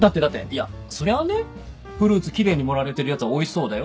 いやそりゃねフルーツキレイに盛られてるやつはおいしそうだよ。